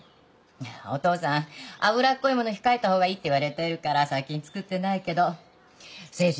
いやお父さん脂っこいもの控えた方がいいって言われてるから最近作ってないけど誠治